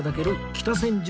北千住。